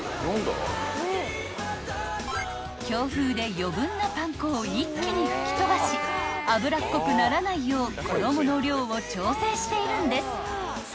［強風で余分なパン粉を一気に吹き飛ばし油っこくならないよう衣の量を調整しているんです］